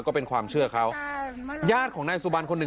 ก็เป็นความเชื่อเขาญาติของนายสุบันคนหนึ่ง